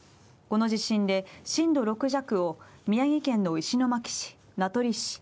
この地震で震度６弱を宮城県の石巻市名取市